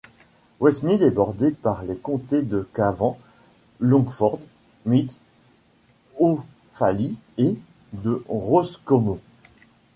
Westmeath est bordé par les comtés de Cavan, Longford, Meath, Offaly et de Roscommon.